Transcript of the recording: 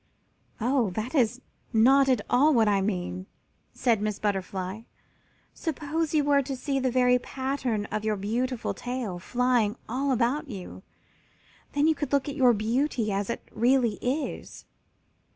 "Oh, that is not at all what I mean," said Miss Butterfly. "Suppose you were to see the very pattern of your beautiful tail flying all about you. Then you could look at your beauty as it really is."